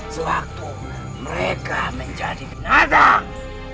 sewaktu mereka menjadi binatang